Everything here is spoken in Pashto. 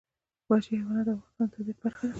وحشي حیوانات د افغانستان د طبیعت برخه ده.